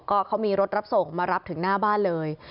ก็เขามีรถรับส่งมารับถึงหน้าบ้านเลย